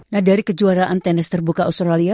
nah dari kejuaraan tenis terbuka australia